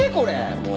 もう。